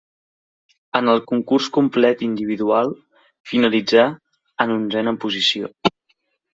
En el concurs complet individual finalitzà en onzena posició.